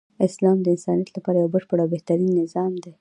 اسلام د انسانیت لپاره یو بشپړ او بهترین نظام دی .